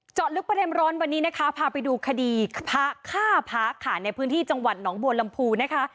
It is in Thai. เจาะลึกประเด็นร้อนวันนี้นะคะพาไปดูคดีพระฆ่าพระค่ะในพื้นที่จังหวัดหนองบัวลำพูนะคะ